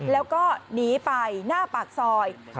แล้วก็หนีไปหน้าปากซอย